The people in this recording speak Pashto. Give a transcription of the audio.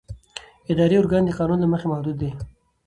اداري ارګان د قانون له مخې محدود دی.